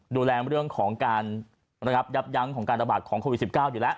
ดูแลเรื่องของการระงับยับยั้งของการระบาดของโควิด๑๙อยู่แล้ว